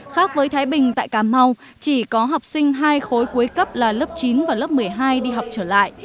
khác với thái bình tại cà mau chỉ có học sinh hai khối cuối cấp là lớp chín và lớp một mươi hai đi học trở lại